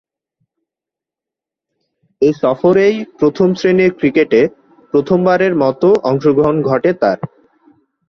এ সফরেই প্রথম-শ্রেণীর ক্রিকেটে প্রথমবারের মতো অংশগ্রহণ ঘটে তার।